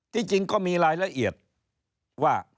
จริงก็มีรายละเอียดว่า